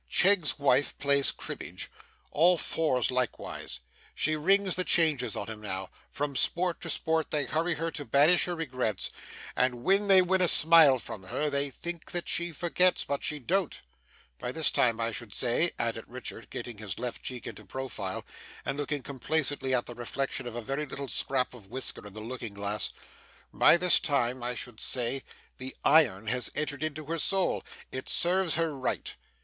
Cheggs's wife plays cribbage; all fours likewise. She rings the changes on 'em now. From sport to sport they hurry her to banish her regrets, and when they win a smile from her, they think that she forgets but she don't. By this time, I should say,' added Richard, getting his left cheek into profile, and looking complacently at the reflection of a very little scrap of whisker in the looking glass; 'by this time, I should say, the iron has entered into her soul. It serves her right!